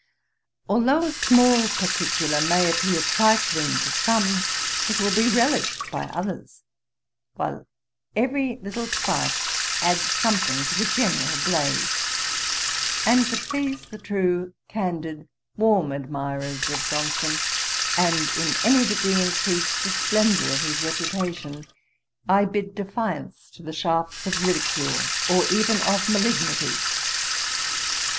Though a small particular may appear trifling to some, it will be relished by others; while every little spark adds something to the general blaze: and to please the true, candid, warm admirers of Johnson, and in any degree increase the splendour of his reputation, I bid defiance to the shafts of ridicule, or even of malignity.